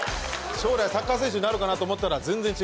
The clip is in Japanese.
将来サッカー選手になるかなと思ったら全然違うところで。